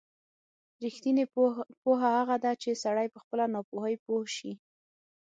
رښتینې پوهه هغه ده چې سړی په خپله ناپوهۍ پوه شي.